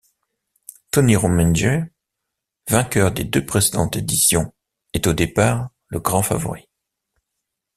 Tony Rominger, vainqueur des deux précédentes éditions est au départ le grand favori.